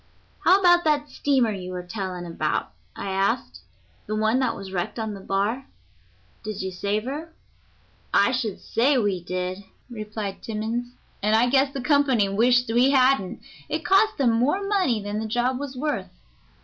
"How about that steamer you were telling about," I asked; "the one that was wrecked on the bar? Did you save her?" "I should say we did," replied Timmans, "and I guess the company wished we hadn't; it cost them more money than the job was worth.